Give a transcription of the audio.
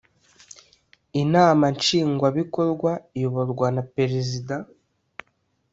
inama nshingwa bikorwa iyoborwa na perezida